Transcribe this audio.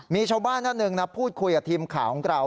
มีชาวบ้านท่านหนึ่งนะพูดคุยกับทีมข่าวของเรา